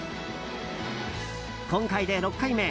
今回で６回目。